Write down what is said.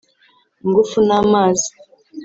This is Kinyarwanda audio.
ingufu n’amazi